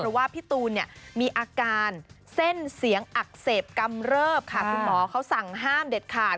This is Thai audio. เพราะว่าพี่ตูนเนี่ยมีอาการเส้นเสียงอักเสบกำเริบค่ะคุณหมอเขาสั่งห้ามเด็ดขาด